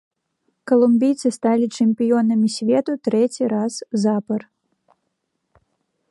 Калумбійцы сталі чэмпіёнамі свету трэці раз запар.